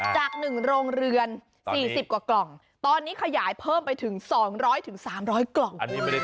จาก๑โรงเรือน๔๐กว่ากล่องตอนนี้ขยายเพิ่มไปถึง๒๐๐๓๐๐กล่อง